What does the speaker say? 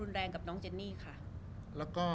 รูปนั้นผมก็เป็นคนถ่ายเองเคลียร์กับเรา